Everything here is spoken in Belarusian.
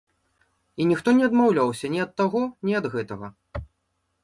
І ніхто не адмаўляўся ні ад таго, ні ад гэтага.